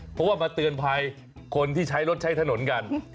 เพราะว่ามาเตือนภัยคนที่ใช้รถใช้ถนนกัน